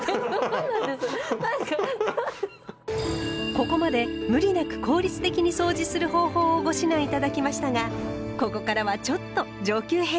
ここまで無理なく効率的にそうじする方法をご指南頂きましたがここからはちょっと上級編。